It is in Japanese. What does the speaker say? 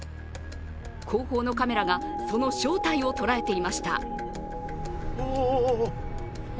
後方のカメラがその正体を捉えていました。